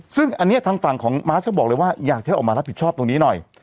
ซึ่งอันนี้ทางฝั่งของมาร์ชเขาบอกเลยว่าอยากจะออกมารับผิดชอบตรงนี้หน่อย